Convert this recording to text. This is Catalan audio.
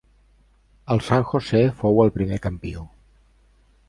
El San José fou el primer campió.